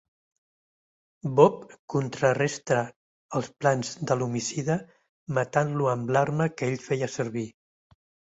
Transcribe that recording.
Bob contraresta els plans de l'homicida matant-lo amb l'arma que ell feia servir.